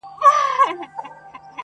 ما یې دنګه ونه په خوبونو کي لیدلې وه؛